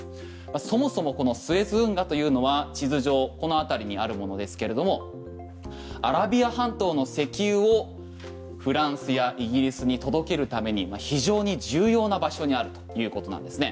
そもそもこのスエズ運河というのは地図上この辺りにあるものですけれどもアラビア半島の石油をフランスやイギリスに届けるために非常に重要な場所にあるということなんですね。